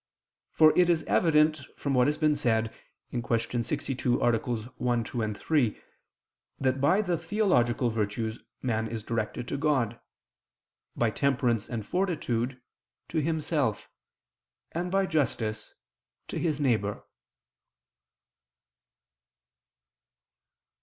For it is evident from what has been said (Q. 62, AA. 1, 2, 3) that by the theological virtues man is directed to God; by temperance and fortitude, to himself; and by justice to his neighbor.